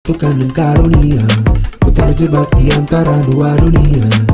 tukang dan karunia putar jebak di antara dua dunia